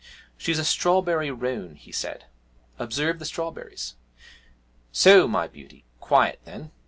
'She's a strawberry roan,' he said; 'observe the strawberries. So, my beauty, quiet, then!